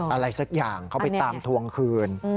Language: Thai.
อะไรสักอย่างเขาไปตามทวงคืน